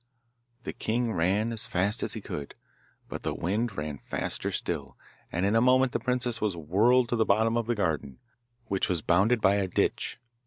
The king ran as fast as he could, but the wind ran faster still, and in a moment the princess was whirled to the bottom of the garden, which was bounded by a ditch.